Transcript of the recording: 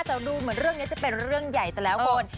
แต่ดูเหมือนเรื่องนี้จะเป็นเรื่องใหญ่ซะแล้วคุณ